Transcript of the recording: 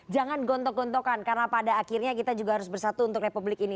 jangan gontok gontokan karena pada akhirnya kita juga harus bersatu untuk republik ini